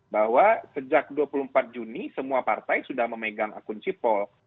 bahwa sejak dua puluh empat juni semua partai sudah memegang akun sipol